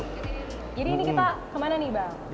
jadi ini kita kemana nih bang